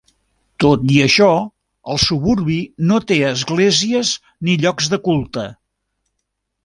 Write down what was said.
Tot i això, el suburbi no té esglésies ni llocs de culte.